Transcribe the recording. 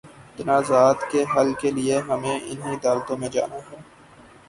تنازعات کے حل کے لیے ہمیں انہی عدالتوں میں جانا ہے۔